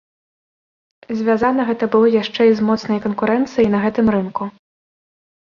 Звязана гэта было яшчэ і з моцнай канкурэнцыяй на гэтым рынку.